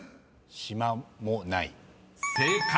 「しまもない」［正解！